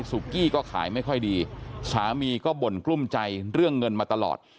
กี้ก็ขายไม่ค่อยดีสามีก็บ่นกลุ้มใจเรื่องเงินมาตลอด